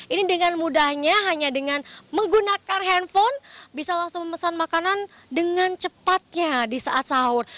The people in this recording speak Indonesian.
ini dengan mudahnya hanya dengan menggunakan handphone bisa langsung memesan makanan dengan cepatnya di saat sahur